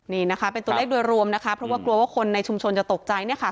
นี่นะคะเป็นตัวเลขโดยรวมนะคะเพราะว่ากลัวว่าคนในชุมชนจะตกใจเนี่ยค่ะ